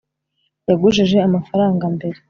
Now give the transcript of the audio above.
yagujije amafaranga mbere